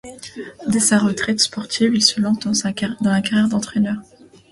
Dès sa retraite sportive il se lance dans la carrière d'entraîneur.